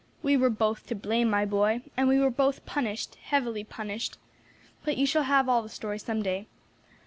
We were both to blame, my boy, and we were both punished, heavily punished; but you shall have all the story some day.